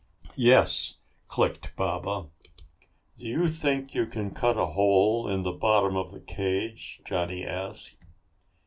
"Yes," clicked Baba. "Do you think you can cut a hole in the bottom of the cage?" Johnny asked.